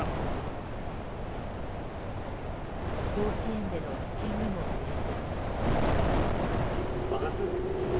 甲子園での一件にも触れず。